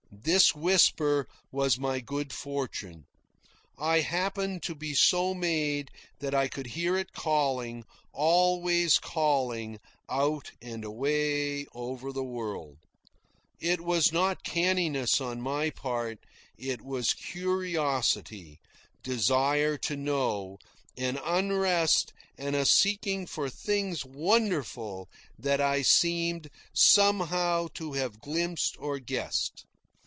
This whisper was my good fortune. I happened to be so made that I could hear it calling, always calling, out and away over the world. It was not canniness on my part. It was curiosity, desire to know, an unrest and a seeking for things wonderful that I seemed somehow to have glimpsed or guessed.